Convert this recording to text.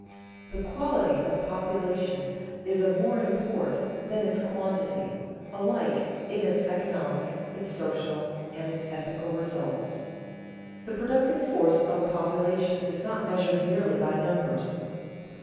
_ The quality of population is of more import than its quantity, alike in its economic, its social, and its ethical results. The productive force of a population is not measured merely by numbers.